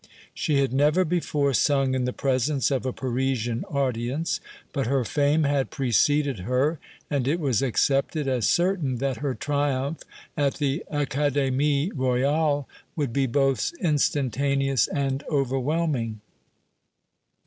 She had never before sung in the presence of a Parisian audience, but her fame had preceded her, and it was accepted as certain that her triumph at the Académie Royale would be both instantaneous and overwhelming.